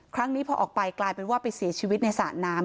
ครั้งนี้พอออกไปกลายเป็นว่าไปเสียชีวิตในสระน้ำ